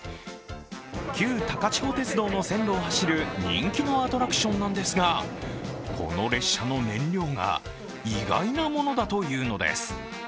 旧高千穂鉄道の線路を走る人気のアトラクションなんですがこの列車の燃料が意外なものだというのです。